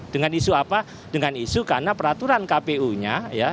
dengan isu apa dengan isu karena peraturan kpu nya